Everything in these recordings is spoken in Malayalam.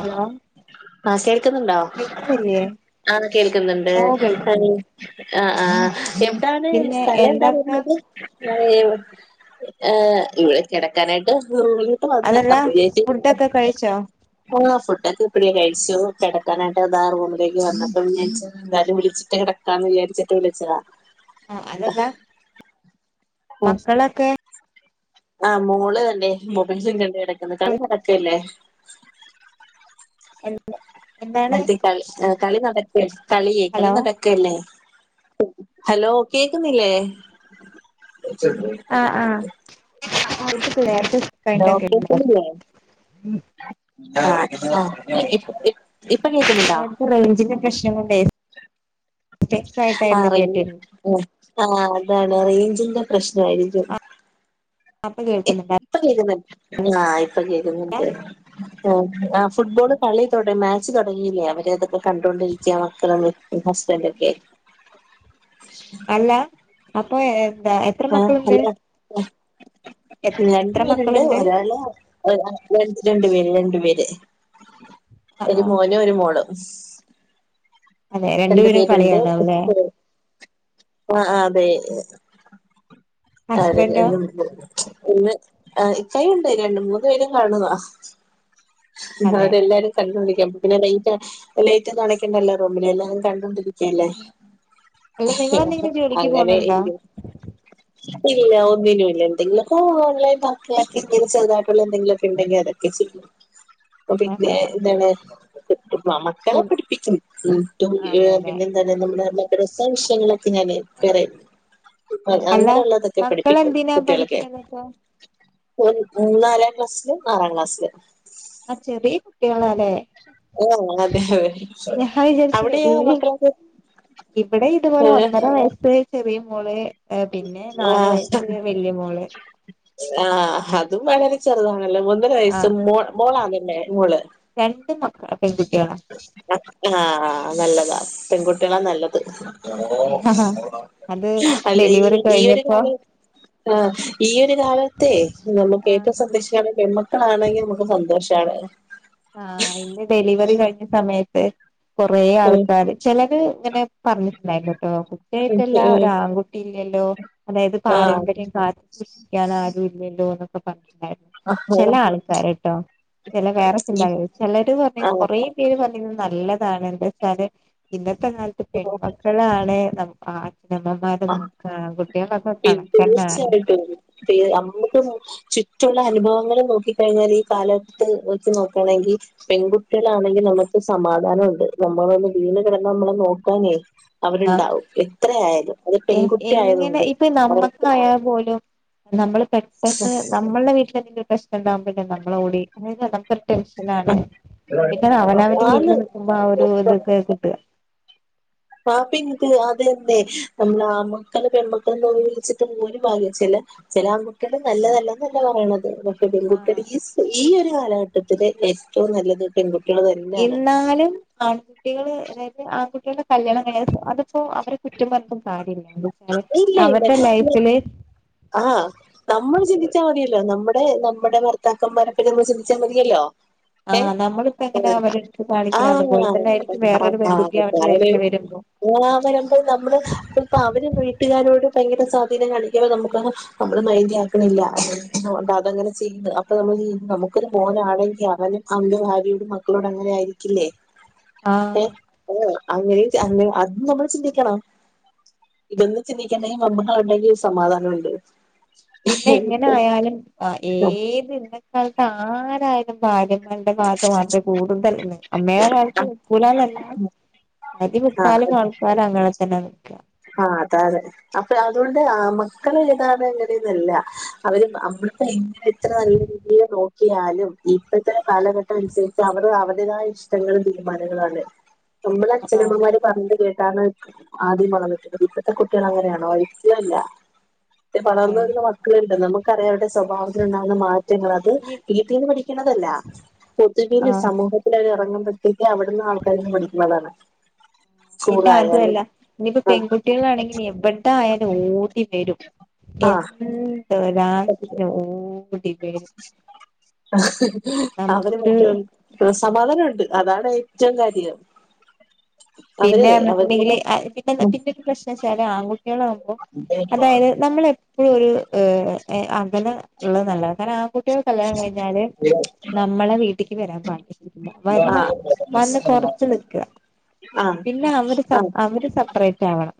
ഹലോ ആഹ് കേൾക്കുന്നുണ്ടോ? കേൾക്കുന്നില്ലേ ആഹ് കേൾക്കുന്നുണ്ട്. ഓ കേൾക്കുന്നുണ്ട് ആഹ് ആഹ് എവ്ടാണ് പിന്നെ സ്ഥലം എവിടാ എന്താക്ക വരുന്നത്? അഹ് ഏഹ് ഇവിടെ കിടക്കാനായിട്ട് പൊ ഹ് വന്ന് അതല്ല അപ്പൊ ഫുഡൊക്കെ [unintelligible] കഴിച്ചോ ആഹ് ഫുഡോക്കെ എപ്പയേ കഴിച്ചു. കിടക്കാനായിട്ട് ദാ റൂമിലേക്ക് വന്നപ്പം വിൾച്ച.. എന്തായാലും വിളിച്ചിട്ട് കിടക്കാന്ന് വിയാരിച്ചിട്ട് വിളിച്ചതാ. ആഹ് അതല്ല മക്കളൊക്കെ, ആഹ് മോള് ഇണ്ടേ മൊബൈലും കണ്ട് കിടക്ക്ന്ന് കളി നടക്കല്ലേ. എല്ലാ മറ്റേ കളി ഹേ കളി നടക്ക കളിയെ കളി ഹലോ നട.. ക്കല്ലേ ഹലോ കേക്കുന്നില്ലേ? ആഹ് ആഹ് അപ്പൊ ഇക്കി പ്പം ല്യേ ലേശം ഹലോ കഴിട്ടൊക്കെ.. കേക്കുന്നില്ലേ ആഹ് ആഹ് ഇപ് ഇപ് ഇപ്പൊ കേക്ക്ന്ന്ണ്ടോ? റേയിഞ്ച്ന്റെ പ്രശ്നം കൊണ്ടേ, സ്റ്റെക്ക് ആഹ് ആയിട്ടായിരുന്നു റെയ് കേട്ടിരുന്നത് ആഹ് ആഹ് അതാണ് റേഞ്ചിന്റെ പ്രശ്നയിരിക്കും അ പ്പൊ കേൾക്കുന്ന് ണ്ടായി ഇപ്പൊ കേക്കുന്നുണ്ട് ആഹ് ഇപ്പൊ കേക്കുന്ന്ൻട്. ആഹ് ഫുട്ബോള് കളി തൊട മാ ച്ച് തുടങ്ങീലേ. അവര് അതൊക്കെ കണ്ടൊണ്ടിരിക്ക മക്കള ഹസ്ബൻന്റൊക്കെ അല്ല അപ്പൊ എ എന്താ എത്ര ആഹ് മക്കളുണ്ട് ഹലോ രണ്ട എത്ര പേരുണ്ട്. മക്കളുണ്ട് ഒരാള് അ രണ്ടു പേര് രണ്ടു പേര് ആ ഒരു ആ മോനും ഒരു മോളും അതെ രണ്ട് രണ്ടുപേരും പേര്ണ്ട് ഉം കളിയാണല്ലേ ആഹ് ആഹ് അതെ അതെ അ ഹസ്ബൻഡോ പിന്നെ ഇക്കായു ണ്ടെയ്നി രണ്ട് മൂന്ന് പേരും കാണുന്നാ. അതെ അതേ എല്ലാരും കണ്ടൊണ്ടിരിക്ക. പിന്നെ ലൈറ്റ് ലൈറ്റ് ക്കേ അണയ്ക്കണ്ടല്ല റൂമില് എല്ലാവരും കണ്ടോണ്ടിരിക് ക്കല്ലെ അല്ല ഹ് ഉം നിങ്ങളെന്തെങ്കിലും ജോലിക്ക് അങ്ങനെ പോണുണ്ടോ ഇരി ഇല്ലല്ല ഒന്നിനുല്ല എന്തെങ്കിലൊക്കെ ഓലൈൻെ ഇങ്ങനെ ചെുതായിട്ടുള്ള എന്തെങ്കിലൊക്കെ ഉണ്ടെങ്കിൽ അതൊക്കെ ചെയും. ആഹ് പിന്നെ എന്താണ് ആ മക്കളെ ഫുഡ് പഠിപ്പിച്ച് അതെല്ലെ പിന്നെ അത് നമ്മുടെ മക്കേടെ സംശയങ്ങളൊക്കെ ഞാന് ക്ലിയറേയ്യും ആഹ് അല്ല അങ്ങനെള്ളതൊക്കെ പഠിപ്പിക്കും മക്കളെന്തിനാ കുട്യോളൊക്കേ പഠിക്കണതിപ്പോ ഉം മൂ നാലാം ക്ലാസ്സ്ലും ആറാം ക്ലാസ്സ്ലും ആഹ് ചെറിയ കുട്ടികളാലേ ആഹ് അതെ വിചാരിച്ചു അവിടെയൊ വല്യ മക്കളൊക്കെ ഇവിടെ ഇതുപോലെ ഏഹ് ഒന്നര വയസ്സ് ചെറിയ മോള് പിന്നെ നാലു വയസ്സ് ആഹ് വല്യ മോള് ആഹ് അതും വളരെ ചെറുതാണല്ലോ ഒന്നര ആ വയസ്സ് മോ മോളാ ആണല്ലേ മോള് രണ്ട് മക്കളും പേങ്കുട്യേ ളാ. ആഹ് നല്ലതാ പെങ്കുട്യേളാ നല്ലത്. അത് അല്ല ഈ ഡെലിവറി ഈ ഒരു കഴിഞ്ഞപ്പോ കാലകേ ആ ഈ ഒരു കാലത്തെ നമുക്ക് ആ ഏറ്റവും സന്തോഷാണ് പെൺമക്കളാ ആണെങ്കിൽ നമുക്ക് സന്തോഷാണ് ആഹ് ഇന്ന് ഡെലിവറി കഴിഞ്ഞ സമയത്ത് കൊറെ ഉം ആൾക്കാര് ചിലര് ഇങ്ങനെ പറഞ്ഞിട്ടുണ്ടായിരുന്നു കേട്ടോ ഉം കുട്ടായിട്ടല്ല ഒരു ഉം ആൺകുട്ടി ഇല്ലല്ലോ അതായത് ആഹ് പാരമ്പര്യം കാത്ത് ക്കാൻ ആരും ഇല്ലല്ലോന്നൊക്കെ പറഞ്ഞിട്ടുണ്ടായിരുന്നു ചില ആൾക്കാരട്ടോ ചില വേറെ ചിലര് പറഞ്ഞ കൊറേ പേര് പറയുന്നത് നല്ലതാണ് എന്താ വച്ചാല് ഇന്നത്തെ കാലത്ത് അഹ് പെൺമക്കളാണ് അഛനമ്മമാർ ആഹ് നോക്കാ ആൺകുട്ടികളൊക്കെ കണക്കന്നാണ് അ നമുക്ക് ചുറ്റുള്ള അനുഭവങ്ങൾ നോക്കി കഴിഞ്ഞാൽ ഈ കാലഘട്ടത്ത് വച്ച് നോക്കയാണെങ്കി പെൺകുട്ടികളാണെങ്കി നമ്മുക്ക് സമാധാനമുണ്ട് നമ്മളൊന്ന് വീണ് കിടന്നാൽ നമ്മളെ നോക്കാനേ അവരുണ്ടാവും എത്രയായാലും അത് എ പെൺകുട്ടി എങ്ങനെ ആയതുകൊണ്ട് ഇപ്പൊ അവർക്ക് നമ്മക്കായൽ പോലും നമ്മൾ പെട്ടെന്ന് നമ്മൾടെ വീട്ടിലെന്തെങ്കിലും പ്രശ്നം ഉണ്ടാകുമ്പോല്ലേ നമ്മളെ ഓടി അത് നമു ടെൻഷനാണ് പിന്നെ അവനവന്റെ വീട്ടിൽ നിക്കുമ്പോ ആ ഒരു ആന്ന് ഇതൊക്കെ കിട്ടുക ആ പി ആ ഇത് അത് തന്നെ നമ്മള് ആൺമക്കള് പെൺമക്കള് എന്ന് ഒന്ന് വിളിച്ചിട്ട് ഒരു കാര്യമില്ല ചില ചില ആൺകുട്ടികള് നല്ലതല്ലന്നല്ല പറയണത് പെൺകുട്ടികൾ ആഹ് ഈ ഈ ഒരു കാലഘട്ടത്തില് ഏറ്റവും നല്ലത് പെൺകുട്ടികൾ തന്നെയാണ് എന്നാലും ആൺകുട്ടികള് അതായത് ആൺകുട്ടികളുടെ കല്യാണം കഴിഞ്ഞ അതിപ്പോ അവരെ കുറ്റം പറഞ്ഞിട്ടും കാര്യമില്ല ഇല്ല അവരുടെ ഇല്ല ലൈഫില് ആഹ് നമ്മള് ചിന്തിച്ചാ മതിയല്ലോ നമ്മ ടെ നമ്മുടെ ഭർത്താക്കന്മാരപ്പെ നമ്മള് ചിന്തിച്ചാൽ മതിയല്ലോ? ആ ഏ നമ്മളിപ്പോ എങ്ങനെ അവരെടുത്ത് ആ കാണിക്കണം അതുപോലെ തന്നെ ആയിരിക്കും വേറൊരു പെൺകുട്ടി അവന്റെ ആഹ് ലൈഫിൽ [inaudible] വരുമ്പോ ആ വരുമ്പൾ നമ്മള് ഇപ്പ അവര് വീട്ടുകാരോട് ഭയങ്കര സ്വാധീനം കാണിക്കുമ്പ നമുക്ക് നമ്മള് മൈൻഡ് ആക്കണില്ല അതങ്ങനെ ചെയ്യുന്നു അപ്പൊ നമ്മള് ചെയ്യ ക്കൊരു മോനാണെങ്കിൽ അവനും അവന്റെ ഭാര്യോടും മക്കളോടും അങ്ങനെ ആയിരിക്കില്ലേ? ആ ഏ ഏ അങ്ങനെ അങ്ങ അതും നമ്മള് ചിന്തിക്കണം ഇതൊന്ന് ചിന്തിക്കണ്ടെങ്കിൽ മമ്മളുണ്ടെങ്കിൽ സമാധാനൊണ്ട് പിന്നെ എങ്ങനെ ആയാലും ആ ഏത് ഇന്നത്തെ കാലത്ത് ആരായാലും ഭാര്യെ മാരുടെ ഭാഗത്ത് മാത്രമേ കൂടുതൽ നിക്കുള്ളു വേറാരും നിക്കൂലാന്നല്ല പാതിമുക്കാലും ആ ആൾക്കാരും അങ്ങന തന്നാ നിക്കാ ആഹ് അതാണ് അപ്പൊ അതുകൊണ്ട് മക്കളെ ഏതാണ് എങ്ങനെന്നല്ല അവര് നമ്മ എങ്ങനെ എത്ര നല്ല രീതിൽ നോക്കിയാലും ഇപ്പോത്തെ കാലഘട്ടം അനുസരിച്ച് അവർ അവരുടേതായ ഇഷ്ടം ടങ്ങളും തീരുമാനങ്ങളാണ് നമ്മള് ആഹ് അച്ഛനമ്മമാര് പറഞ്ഞു കേട്ടാണ് ആദ്യം വളർന്നത് ഇപ്പത്തെ കുട്ടികൾ അങ്ങനെയണോ ഒരിക്കലും അല്ല അതെ വളർന്ന് വരുന്ന മക്കളുണ്ട് നമുക്കറിയാം അവരുടെ സ്വഭാവത്തിലുണ്ടാകുന്ന മാ റ്റങ്ങൾ അത് ഇനി വീട്ടീന്ന് പഠിക്കണതല്ല പൊതുവില് ആഹ് സമൂഹ ത്തില് ഇറങ്ങുമ്പത്തേക്ക് അവർ അവിടുന്ന് ആൾക്കാരീന്ന് പഠിക്കുന്നതാണ് പിന്നെ സ്കൂളായാലും അതൊല്ല ഇനിപ്പോ ആഹ് പെൺകുട്ടി കുട്ടികളാണെങ്കി എവിടെ ആയാലും ഓടി വരും ആഹ് എന്ത് ഒരാവശ്യത്തിന് ഓടി വെരും അവര് നമുക്കൊരു മറ്റും സമാധാനോണ്ട്‌ അതാണ് ഏറ്റവും കാര്യം പിന്നെ അവരെ അവര് ന്നിട്ടുണ്ടെങ്കില് പിന്നെ പിന്നെ ഒരു പ്രശ്നച്ചാല് ആൺകുട്ടികളാവുമ്പോ അതായത് നമ്മൾ എപ്പോഴും ഒരു ഏ അകലള്ളത് നല്ലത കാരണം ആൺകുട്ട കുട്ടീടെ കല്യാണം കഴിഞ്ഞാല് നമ്മളെ വീട്ടിക്ക് വരാൻ പാടില്ല ആ വരണം വന്ന് കൊറച്ച് നിക്കുക ആ പിന്നെ അവര് സ ആ അവര് സെപ്പറേറ്റ് ആവണം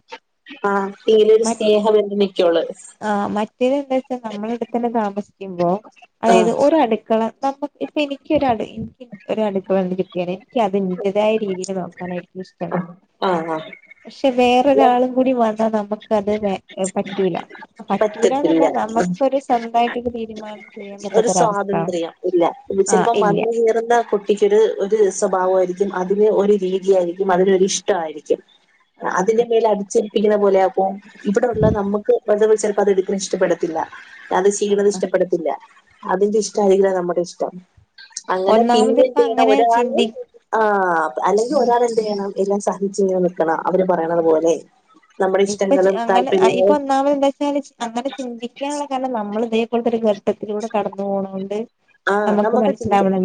ആ എങ്കിലെ ഒരു സ്നേഹബന്ധം നിക്കുള്ളു ആഹ് മറ്റേത് എന്താ വെച്ച നമ്മള ഇടതന്നെ താമസിക്കുമ്പോ ആ അതായത് ഒരട്ക്കള നമ്മുക്ക് ഇപ്പൊ എനിക്കൊരടു എനിക്ക് ഒരു അടുക്കളന്ന് കിട്ടിയാല് എനിക്ക് അതിന്റേതായ രീതിയിൽ നോക്കാൻ കയിയും ആ ആ പക്ഷെ വേറൊരാളും കൂടി വന്ന ന്ന നമുക്ക് അത് വെ പറ്റൂല പറ്റൂരാന്നല്ല പറ്റത്തില്ല നമുക്കരു സ്വന്തമായിട്ടൊരു തീരുമാനം ചെയ്യാൻ ഒരു പറ്റാത്തൊരവസ്ഥ സ്വാതന്ത്ര്യം ഇല്ല ആഹ് ചിലപ്പോം ഇല്ല വന്ന് കേറുന്ന കുട്ട് ട്ടിക്കൊരു ഒരു സ്വഭാവമായിരിക്കും അതിന് ഒരു രീതിയായിരിക്കും അതിനൊരി ഇഷ്ടായിരിക്കും അതിന്റെ ആഹ് മേൽ അടിച്ചേൽപ്പിക്കുന്ന പോലെ അപ്പം ഇവിടെ ഉള്ള നമുക്ക് വെ ചിലപ്പോ അതെടുക്കണ ഇഷ്ടപ്പെടുല്ല ത്തില്ല അത് ചെയ്യണത് ആഹ് ഇഷ്ടപ്പെടത്തില്ല അതിന്റെ ഇഷ്ടായിരിക്കില്ല നമ്മുടെ ഇഷ്ടം അങ്ങനെ ഒന്നാമത് ഇപ്പ പിന്നെന്തെയ്യണം അങ്ങനെ ഒരാള് ചിന്തി ആഹ് അല്ലെങ്കിൽ ഒരാള് എന്ത് ചെയ്യണം എല്ലാം സഹിച്ച് ക്കണം അവര് പറയണതു പോലെ നമ്മുടെ ഇഷ്ടങ്ങളും താല്പര്യങ്ങളും മാ എന്താ വെച്ചാല് അങ്ങനെ ചിന്തിക്കാനുള്ള കാരണം നമ്മളിതേപോലത്തെ ഒരു ഘട്ടത്തിലൂടെ കടന്നു പോണ കൊണ്ട് ആഹ് നമുക്ക് ചിന്തിക്കാം മനസ്സിലാവണം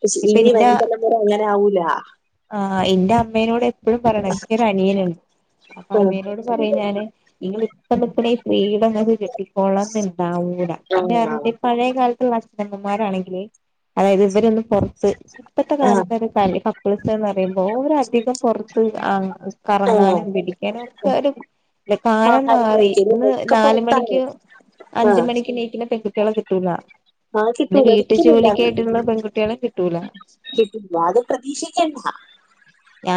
പക്ഷെ ഇനി വരും തലമുറ അങ്ങനെ ആവൂല ആഹ് എന്റെ അമ്മേനോട് എപ്പോഴും പറണ ന്ക്കൊരു അനിയനുണ്ട് ആഹ് അമ്മേനോട് പറയും ഞാന് ഇങ്ങള് ഇപ്പ നിക്കണ ഈ ഫ്രീഡം നിങ്ങക്ക് കെട്ടിക്കോള്ളന്നുണ്ടാവൂലാ പിന്നെ പഴയ കാലത്തുള്ള അച്ഛനമ്മമാരാണെങ്കിൽ അതായത് ഇവരൊന്നും പുറത്ത് ഇപ്പഴത്തെ ആഹ് കാലത്ത് ക കപ്പിൾസ് എന്ന് പറയുമ്പോൾ ഒരധികം പുറത്ത് ആഹ് കറങ്ങാനും പിടിക്കാനും ഒക്കെ ഒരു ല്ല കാലം ആഹാരം മാറി കഴിക്കലും ഇന്ന് ഒക്കെ നാല പുറത്താണ് മണിക്ക് അഞ്ച ആഹ് മണിക്ക് നീക്ക പെ കുട്ടികളെ കിട്ടൂല അത് എന്റെ കിട്ടൂല വീട്ടു ഒരിക്കലുല്ല ജോലിക്കായിട്ടുള്ള പെൺകുട്ടികളെ കിട്ടൂല കിട്ട അത് പ്രതീക്ഷിക്കണ്ട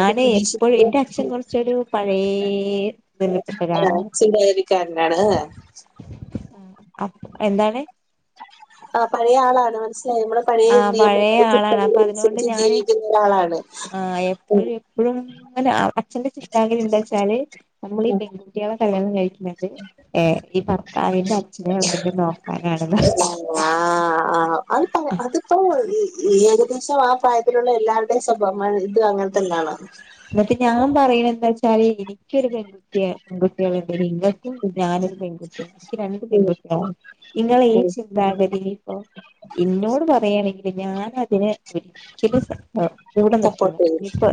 അത് പ്രതീക്ഷിക്ക എപ്പോഴും എന്റെ അച്ഛൻ കുറച്ചൊരു പഴയ ഇതിൽപ്പെട്ട ഒരാളാണ് [unintelligible] അഹ് എന്താണ് ആഹ് പഴയ ആളാണ് മനസ്സിലായി നമ്മള പഴയ ആഹ് പഴയ നിയമങ്ങളും ആളാണ് ചിട്ടകളും അപ്പൊ അതിനോണ്ട് അനുസരിച്ച് ഞാന് ജീവിക്കുന്ന ഒരാളാണ് ഇപ്പോഴും അങ്ങനെ അച്ഛന്റെ ചിന്താഗതി എന്താ വെച്ചാല് നമ്മൾ ഈ ഉം പെൺകുട്ടികളെ കല്യാണം കഴിക്കും ത് ഈ ഭർത്താവിന്റെ അച്ഛനും അമ്മേനും നോക്കാനാണെന്നാ ആഹ് ആഹ് അത് അത് പോ ഈ ഏകദേശം ആഹ് പ്രായത്തിലുള്ള എല്ലാവരുടെയും സ്വഭാവം ഇത് അങ്ങനെ തന്നെയാണ് എന്നിട്ട് ഞാൻ പറയണ എന്താ വച്ചാല് ഇനി എനിക്കൊരു പെൺകുട്ടിയ പെൺകുട്ടികള നിങ്ങൾക്കും ഉം ഞാനും പെൺകുട്ടിയാണ് എനിക്ക് രണ്ട് ഉം പെൺകുട്ടികളാണ് നിങ്ങള ഈ ഉം ചിന്താഗതി ഇപ്പ ഇന്നോട് പറയായാണെങ്കില് ഞാൻ പിന്നെ ഒരിക്കല കൂടെ സപ്പോർട്ട് ചെയ്യും നിൽക്കനിപ്പോ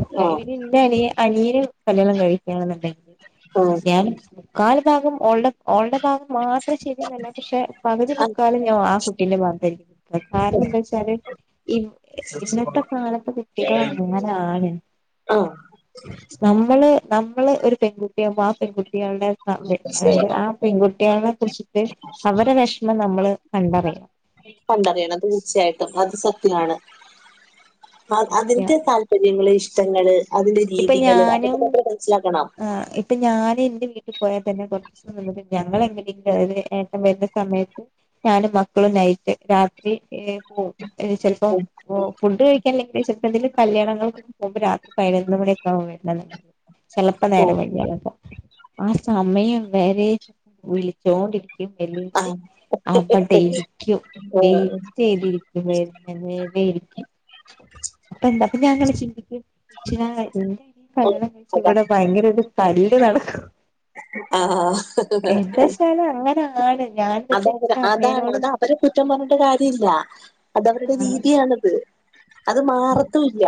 ന്റെ അനിയന് കല്യാണം കഴിക്കെന്നുണ്ടെങ്കിൽ ആഹ് ഞാൻ മുക്കാൽ ഭാഗം ഓളുടെ ഓളുടെ ഭാഗം മാത്രം അത്ര ശരിയുന്നല്ല പക്ഷെ പകുതി ആഹ് നിൽക്കാലും ഞാൻ ആഹ് കുട്ടി ബരിക്ക കുന്നത് കാരണം എന്താ വച്ചാല് ഇ ഇന്നത്തെ കാലത്ത് കുട്ടികൾ അങ്ങനാണ് ആഹ് നമ്മള് നമ്മള് ഒരു പെൺകുട്ടിയകുമ്പോ ആഹ് പെൺകുട്ടികളുടെ അതായത് ആഹ് പെൺകുട്ടികളെ കുറിച്ചിട്ട് അവരെടെ വിഷമം നമ്മള് കണ്ടറിയണം പണ്ടറിയണം തീർച്ചയായിട്ടും അത് സത്യമാണ് അതിന്റെ താല്പര്യം താല്പര്യങ്ങളെ ഇഷ്ടങ്ങള് അതിന്റെ ഇപ്പൊ രീതികള് അതൊക്കെ ഞാനും മാെ മനസ്സിലാക്കണം ആഹ് ഇപ്പൊ ഞാൻ എന്റെ വീട്ടിൽ പോയാൽ തന്നെ കുറച്ച് ഞങ്ങ എങ്ങനെങ്കും അതായത് ഏട്ടം വരുന്ന സമയത്ത് ഞാനും മക്കളും നൈറ്റ് രാത്രി ഓ ചിലപ്പോ ഉം ഓ ഫുഡ് കഴിക്കാൻല്ലെങ്കിൽ ചിലപ്പോ എന്തങ്കിലും കല്യാണങ്ങൾ പോകുമ്പോ രാത്രി പയ [unintelligible] ചെലപ്പോ നേരം ഉം വൈിയാലക്ക ആഹ് സമയം വരെ വിളിച്ചോണ്ടിരിക്ക ഇല്ലെങ്കില് ആഹ് ആഹ് അവടെ ഇരിക്കും ആഹ് വൈറ്റെയ്തിരിക്കും കുറെ നേരയിരിക്കും. അപ്പൊ ഇണ്ടപ്പ ഞാൻ അങ്ങനെ ചിന്തിക്കും പക്ഷെ ഇനി കല്യാണം കഴിച്ച അതാ ഇവിടെ ഭയങ്കര ഒര് തല്ല് നടക്കും ആഹ് എന്താച്ചാല് അങ്ങനാണ്. ഞാൻ എന്നിട്ട് അതവര് എന്റെ അതാണ് അമ്മേനോടും അത് അവരെ കുറ്റം പറഞ്ഞിട്ട് കാര്യമില്ല അതവരുടെ ആഹ് രീതിയാണത് അത് മാറത്തുല്ല.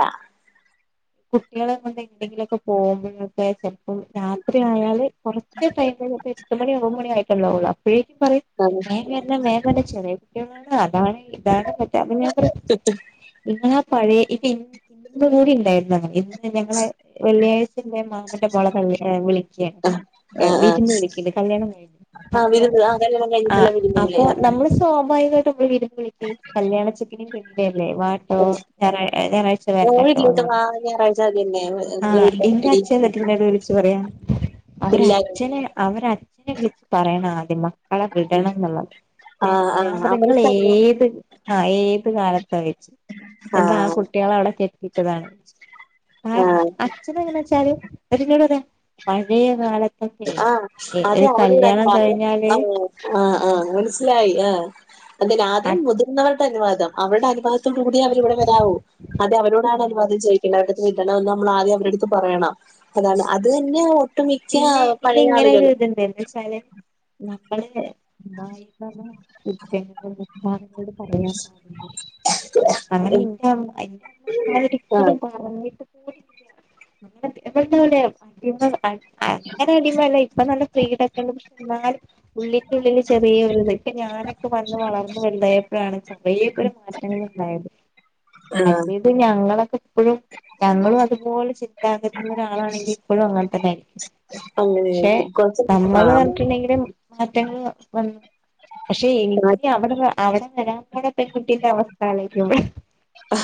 കുട്ടിയളെ കൊണ്ട് എവിയെങ്കിലൊക്കെ പോകുമ്പോ വെറുതെ ശ രാത്രി ആയാല് കൊറച്ച് ടൈമേ ഒരു എട്ട് മണി ഒമ്പ മണി ആയിട്ടൊള്ളൂ അപ്പഴേക്കും പറിം ആഹ് വേഗം വരണം വേഗം വരണം ചെറിയ കുട്ടികളാണ് അതാണ് ഇതാണ് അപ്പം ഞാൻ പറയും ഇങ്ങളാ പഴയെ, ഇപ്പം [unintelligible] മൂരി ഇണ്ടായിരുന്നു ഇമ് ഞങ്ങളെ വെള്ളിയാഴ്ചന്റെ മാമന്റെ മോളെ കള്ളി വിളിക്കാണ് ഏഹ് ആഹ് ആഹ് വീട്ടിന്ന് വിളിക്ക്ണ്ട്. കല്യാണം കഴിഞ്ഞ് ആഹ് അപ്പൊ വിരുന്ന് ആഹ് കല്യാണം ആഹ് കഴിഞ്ഞിട്ടുള്ള വിരുന്നുകള് അപ്പൊ ആഹ് നമ്മള് സ്വാഭാവികമായിട്ട് നമ്മള് വീണ്ടും വിളിക്കയും കല്യാണ ചെക്കിനെയും പെണ്ണി ല്യല്ലേ വാട്ടോ ആഹ് ഞറാ ഞായറാഴ്ച്ച വരണട്ടോ പറഞ്ഞാണ്ട് ഞായറാഴ്ച്ച അതന്നെ ആഹ് ഇന്റച്ഛൻ ഇങ്ങട്ട് ഇന്നോട് വിളിച്ചു പറയും അവര് എല്ലാരും അച്ഛനെ അവരച്ഛനെ വിളിച്ച് പറയണം ആദ്യം മക്കളെ വിടണം എന്നുള്ളത് ഏഹ് ആഹ് ഞാൻ ആഹ് പറയാ അവർക്കത് നിങ്ങളേത് ആഹ് ഏത് കാലത്തായ്ച്ച് എന്താ ആ ആഹ് കുട്ടിയളെ അവിടെ കെട്ടിട്ടതാണ് കാരണം ആഹ് അച്ഛനെങ്ങനെ വെച്ചാല് എന്നോട് എന്നോട് പറയ പഴയ കാലത്ത് ആഹ് അതെ അവരുടല്ലാതെ അത് കഴിഞ്ഞാല് ആഹ് ആഹ് ആഹ് മനസ്സിലായി ആഹ് അതിനാദ്യം മുതിർന്നവർ രുടെ അനുവാദം അവരുടെ അനുവാദത്തോടുകൂടിയെ അവരിവിടെ വരവു. അതെ അവരോടാണ് അ അനുവാദം ചോയി പിന്നെ അവരുടത്ത് വിടണമെന്ന് നമ്മളാദ്യം അവരടുത്ത് പറയണം. അതാണ് അത് തന്നെ ഒട്ടുമി പിന്നെ പിന്നെ ഇങ്ങനൊരു ഇത്ണ്ട് എന്താ വച്ചാല് നമ്മളെ വായിക്കാതെ [unintelligible] ഉസ്താദിനോട് പറയാ ആഹ് അങ്ങനെ ഇന്റെ [unintelligible] അങ്ങനെ ആഹ് ഒരിക്കലും പറഞ്ഞിട്ട് കൂടിയില്ല. അങ്ങനെ [unintelligible] അടിമകള് അ അങ്ങനെ അടിമയല്ല ഇപ്പ നല്ല ഫ്രീഡങ്ങളും ഇന്നാലും ഉള്ളിന്റൊള്ളില് ചെറിയൊരിത്. ഇപ്പൊ ഞാനൊക്കെ വന്ന് വളർന്ന് വലുതായപ്പഴാണ് കുറെയൊക്കെ ഒരു മാറ്റങ്ങള്ണ്ടായത് ആഹ് മറ്റേ പിന്നെ ഞങ്ങളൊക്കെ ഇപ്പോഴും ഞങ്ങളും അതുപോലെ ചിന്താഗതിയുള്ള ഒരാള് ആണെങ്കിൽ ഇപ്പഴും അങ്ങനെ ത ന്നെ, പക്ഷെ അങ്ങനെയായിരിക്കും കുറച്ച് നമ്മള് ആഹ് പറഞ്ഞിട്ടുണ്ടെങ്കില് മാറ്റങ്ങള് വന്ന്. പക്ഷെ എനിക്ക് അവിടെതാ അവിടെ വരാൻ പോണ പെൺകുട്ടിന്റെ അവസ്ഥ ആലോചിക്കുമ്പഴാ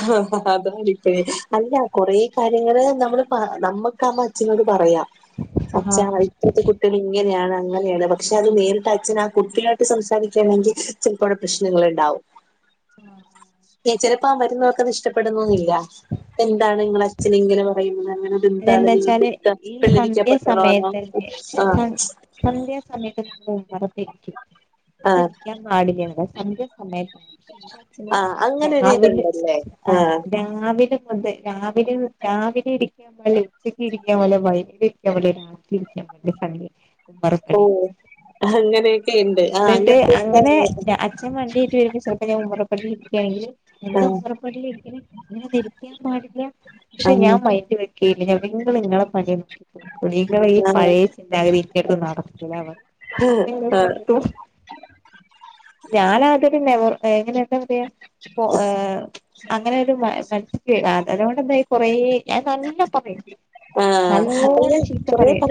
[inaudible] അതാണിപ്പേ അല്ല കൊറെ കാര്യങ്ങള് നമ്മള് പ നമുക്കാവുമ്പോ അച്ഛനോട് പറയാം [inaudible] അച്ഛ അതിത്ര അവിടുത്തെ കുട്ടികള് ഇങ്ങനെയാണ് അങ്ങനെയാണ് പക്ഷെ അത് നേരിട്ട് അച്ഛനാ കുട്ടിയായിട്ട് സംസാരിക്കുകയാണെങ്കിൽ ചെലപ്പോ അവിടെ പ്രശ്നങ്ങള്ണ്ടാവും. [inaudible] ചെലപ്പോ ആ വരുന്നവർക്കതിഷ്ടപ്പെടണമെന്നില്ല. എന്താണ് നിങ്ങളച്ഛന് ഇങ്ങനെ പറയുന്നേ അങ്ങനെ എന്താണ് അതെന്താ നിങ്ങള് വെച്ചാല് ഇതെന്താ ഈ വെള്ളരിക്ക സന്ധ്യ പട്ടണമാണോ ആഹ് സന്ധ്യാസമയത്ത് വന്ന് ഉമ്മറത്തിരിക്കും. ആ അത് ഇരിക്കാൻ പാടില്ല. സന്ധ്യാസമയത്താണ് പക്ഷെ ഇൻ്റെ അച്ഛന് ആ അങ്ങനെ ഒരു രാവിലെ ഇതുണ്ടല്ലേ ആ ആഹ് രാവിലെ മുതൽ രാവിലെ രാവിലെ ഇരി ഇരിക്കാൻ പാടില്ല ഉച്ചക്കിരിക്കാൻ പാടില്ല വൈകിട്ട് ഇരിക്കാൻ പാടില്ല രാത്രി ഇരിക്കാൻ പാടില്ല സന്ധ്യ സമയം ഓഹ് അങ്ങനെ ഇന്നട്ട് അങ്ങനെ ഏഹ് അച്ഛൻ വണ്ടിയേറ്റു വരുമ്പോ ചെലപ്പോ ഞാൻ ഉമ്മറപ്പടിയിലിരിക്കായാണെങ്കില് ആ എന്താ ഉമ്മറപ്പടിലിരിക്ക്ണെ ഇങ്ങനൊന്നും ഇരിക്കാൻ പാടില്ല. പക്ഷെ ഞാൻ മൈന്റ് വെ കീവി നിങ്ങള് നിങ്ങളോടെ പണി നിങ്ങളടെ ഈ ആ പഴയ ചിന്താഗതി ഇന്റെ അടുത്ത് നടക്കുല പറഞ്ഞു ആ [unintelligible] ഞാൻ ആദ്യ ഒരു നവർ എങ്ങനെ എന്താ പറയാ പൊ എ അങ്ങനെ ഒരു മത്സ [unintelligible] അതുകൊണ്ടന്തായി കൊറെ ഞാൻ നല്ല പറയും നല്ലോണം ചീത്ത പറയും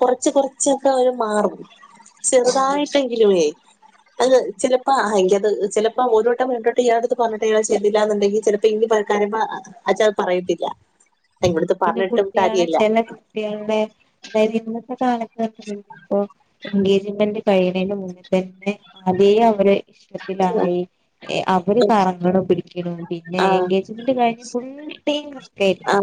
കൊറച്ച് കൊറച്ചൊക്കെ അവര് മാറും ആഹ് ചെറുതായിടെങ്കിലുവേ അത് ചിലപ്പോ എങ്കിൽ അത് ചിലപ്പോ ഒരു വട്ടം രണ്ട് വട്ടം ഇയാളുടെ അടുത്ത് പറഞ്ഞിട്ട് ഇയാള് ശരിലാന്നുണ്ടാക്കിൽ ചില- പിന്നെ [unintelligible] അഛാ അത് പറയത്തില്ല ഇവിടുത്തെ പിന്നെ പറഞ്ഞിട്ടും കുട്ടികളെ കാര്യമില്ല ചെല കുട്ടികളുടെ അതായത് ഇന്നത്തെ കാലത്താണെങ്കിൽ ഇപ്പൊ എൻഗേജ്മെന്റ് കഴിയണതിന് മുന്നേ തന്നെ അതെ അവരെ ഇഷ്ടത്തിലായി അവര് കറങ്ങണം പിടിക്കണം പിന്നെ ആ എൻഗേജ്മെന്റ് കഴിഞ് ഫുൾ ടൈം രിക്കും.